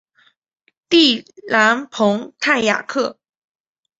蒂朗蓬泰雅克。